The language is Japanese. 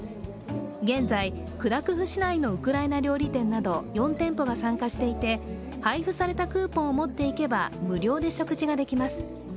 現在、クラクフ市内のウクライナ料理店など４店舗が参加していて配布されたクーポンを持っていけば無料で食事ができます。